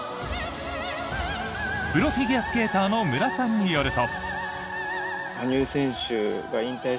プロフィギュアスケーターの無良さんによると。